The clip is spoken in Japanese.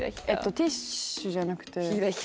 ティッシュじゃなくて。